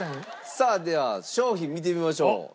さあでは商品見てみましょう。